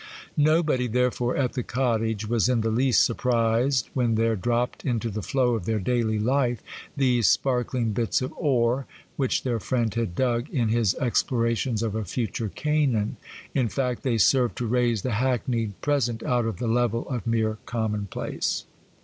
Nobody, therefore, at the cottage was in the least surprised when there dropped into the flow of their daily life these sparkling bits of ore, which their friend had dug in his explorations of a future Canaan,—in fact, they served to raise the hackneyed present out of the level of mere commonplace.